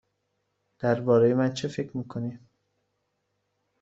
درباره من چه فکر می کنی؟